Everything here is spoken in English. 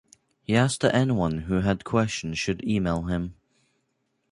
He asked that anyone who had questions should email him.